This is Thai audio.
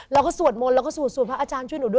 เราก็สวดมนตร์เราก็สวดมนตร์พระอาจารย์ช่วยหนูด้วย